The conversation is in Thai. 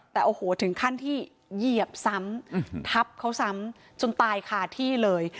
แต่โอ้โหถึงขั้นที่เหยียบซ้ำทับเขาซ้ำจนตายคาที่เลย